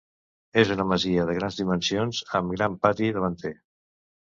És una masia de grans dimensions, amb gran pati davanter.